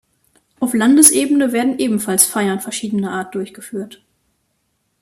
Auf Landesebene werden ebenfalls Feiern verschiedener Art durchgeführt.